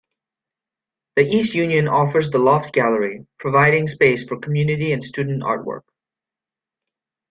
The East Union offers the Loft Gallery, providing space for community and student artwork.